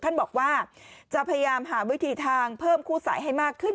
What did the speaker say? ท่านบอกว่าจะพยายามหาวิธีทางเพิ่มคู่สายให้มากขึ้น